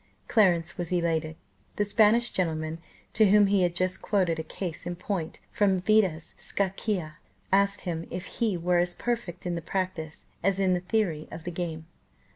Clarence was elated. The Spanish gentleman, to whom he had just quoted a case in point from Vida's Scacchia, asked him if he were as perfect in the practice as in the theory of the game.